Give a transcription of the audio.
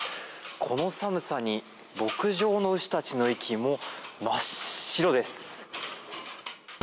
この寒さに牧場の牛たちの息も真っ白です。